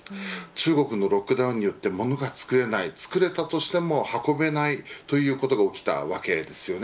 中国のロックダウンによってものが作れない、作れたとしても運べないという事が起きたわけです。